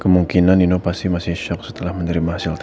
kemungkinan nino pasti masih shok setelah menerima hasil tes tadi